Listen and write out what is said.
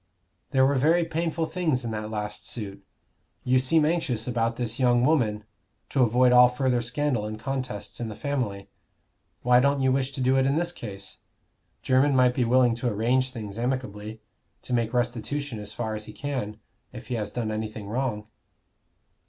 "There were very painful things in that last suit. You seem anxious about this young woman, to avoid all further scandal and contests in the family. Why don't you wish to do it in this case? Jermyn might be willing to arrange things amicably to make restitution as far as he can if he has done anything wrong."